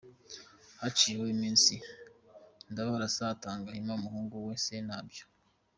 Haciyeho iminsi Ndabarasa aratanga, hima umuhungu we Sentabyo.